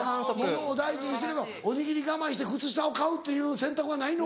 物を大事にしてるけどおにぎり我慢して靴下を買うという選択はないのか？